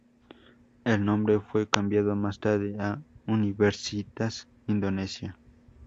El nombre fue cambiado más tarde a "Universitas Indonesia".